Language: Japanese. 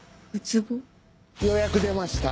ようやく出ました